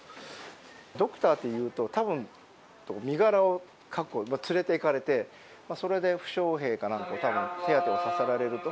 ドクターと言うと、たぶん身柄を確保、連れていかれて、それで負傷兵かなんかを、たぶん手当てをさせられると。